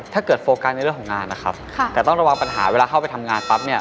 โฟกัสในเรื่องของงานนะครับค่ะแต่ต้องระวังปัญหาเวลาเข้าไปทำงานปั๊บเนี่ย